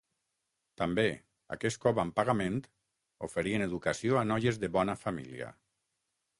També, aquest cop amb pagament, oferien educació a noies de bona família.